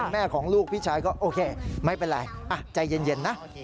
แม่ของลูกพี่ชายก็โอเคไม่เป็นไรใจเย็นนะ